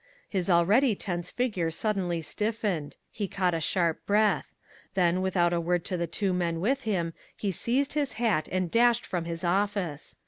His already tense figure suddenly stiffened; he caught a sharp breath. Then, without a word to the two men with him, he seized his hat and dashed from his office.